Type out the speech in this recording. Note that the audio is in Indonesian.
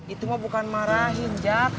itu mah bukan marahin jack